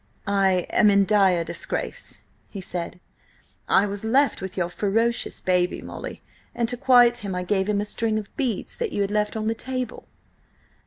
"I am in dire disgrace," he said. "I was left with your ferocious baby, Molly, and to quiet him, I gave him a string of beads that you had left on the table."